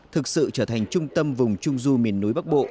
thực sự trở thành trung tâm vùng trung du miền núi bắc bộ